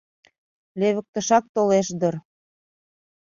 Левыктышак толеш дыр.